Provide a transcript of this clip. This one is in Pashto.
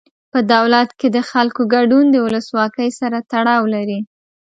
په دولت کې د خلکو ګډون د ولسواکۍ سره تړاو لري.